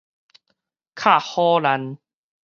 敲虎膦